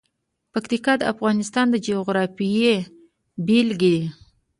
پکتیا د افغانستان د جغرافیې بېلګه ده.